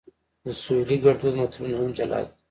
د سویلي ګړدود متلونه هم جلا دي